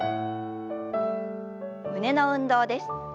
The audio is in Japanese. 胸の運動です。